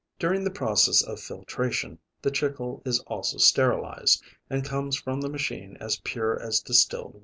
During the process of filtration the chicle is also sterilized, and comes from the machine as pure as distilled water.